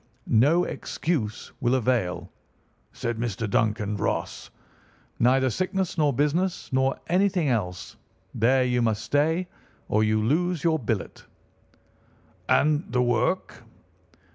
"'No excuse will avail,' said Mr. Duncan Ross; 'neither sickness nor business nor anything else. There you must stay, or you lose your billet.' "'And the work?